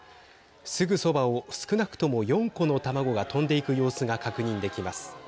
すぐそばを少なくとも４個の卵が飛んでいく様子が確認できます。